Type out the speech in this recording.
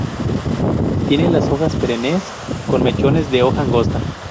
Tiene las hojas perennes con mechones de hoja angosta.